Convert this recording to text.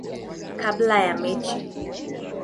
kabla ya mechi.